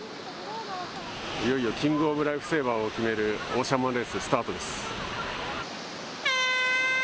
いよいよキング・オブ・ライフセーバーを決めるオーシャンマンレーススタートです。